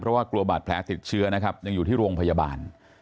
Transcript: เพราะว่ากลัวบาดแผลติดเชื้อนะครับยังอยู่ที่โรงพยาบาล